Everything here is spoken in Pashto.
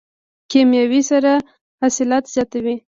کیمیاوي سره حاصلات زیاتوي.